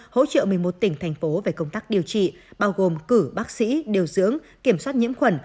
hỗ trợ một mươi một tỉnh thành phố về công tác điều trị bao gồm cử bác sĩ điều dưỡng kiểm soát nhiễm khuẩn